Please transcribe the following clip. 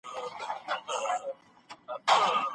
ډېر ږدن او پاڼي به له کړکۍ څخه راسي.